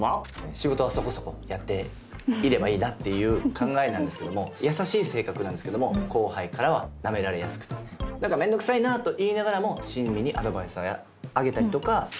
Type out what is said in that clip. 仕事はそこそこやっていればいいなっていう考えなんですけども優しい性格なんですけども後輩からはなめられやすくてめんどくさいなぁと言いながらも親身にアドバイスをあげたりとか。